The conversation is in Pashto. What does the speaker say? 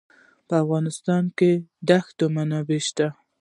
په افغانستان کې د دښتو منابع شته.